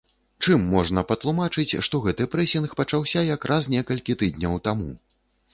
Чым можна патлумачыць, што гэты прэсінг пачаўся якраз некалькі тыдняў таму?